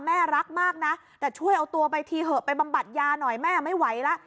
แม่รักมากนะแต่ช่วยเอาตัวไปทีเถอะไปบำบัดยาหน่อยแม่ไม่ไหวแล้ว